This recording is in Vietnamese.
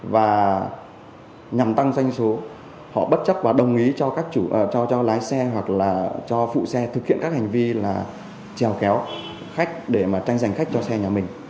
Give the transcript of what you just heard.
và nhằm tăng doanh số họ bất chấp và đồng ý cho lái xe hoặc là cho phụ xe thực hiện các hành vi là chèo kéo khách để mà tranh giành khách cho xe nhà mình